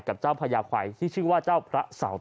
กับเจ้าภายาคอยที่ชื่อว่าเจ้าพระเสาร์